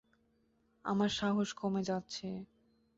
আমার সাহস কমে যাচ্ছে।